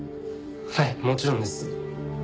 はいもちろんです。